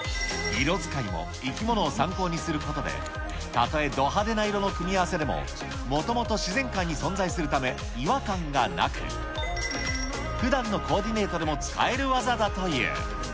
色づかいも生き物を参考にすることで、たとえド派手な色の組み合わせでももともと自然界に存在するため違和感がなく、ふだんのコーディネートでも使える技だという。